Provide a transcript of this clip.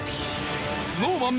ＳｎｏｗＭａｎ